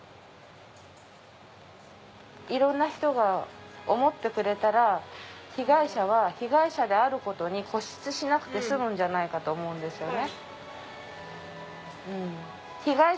いろんな人が思ってくれたら被害者は被害者であることに固執しなくて済むんじゃないかと思うんですよね。